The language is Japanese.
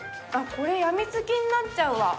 これやみつきになっちやうわ。